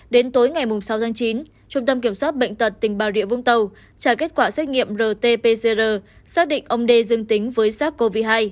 đến tối ngày sáu tháng chín trung tâm kiểm soát bệnh tật tỉnh bà rịa vũng tàu trả kết quả xét nghiệm rt pcr xác định ông đê dương tính với sars cov hai